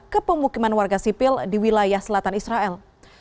ke pemukiman warga sipil di wilayah selatan israel